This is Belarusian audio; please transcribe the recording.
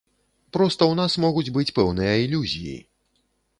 Проста ў нас могуць быць пэўныя ілюзіі.